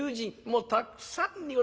もうたくさんに。